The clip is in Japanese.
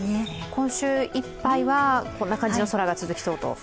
今週いっぱいはこんな感じの空が続きそうと。